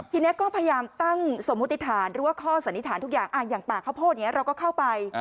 ทีนี้ก็พยายามตั้งสมมุติฐานหรือว่าข้อสันนิษฐานทุกอย่างอย่างป่าข้าวโพดอย่างนี้เราก็เข้าไป